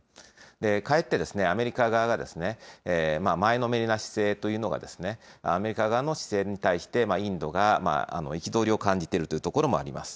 かえってアメリカ側が前のめりな姿勢というのが、アメリカ側の姿勢に対して、インドが憤りを感じているというところもあります。